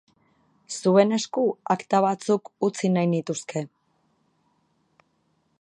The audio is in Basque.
Zuen esku akta batzuk utzi nahi nituzke.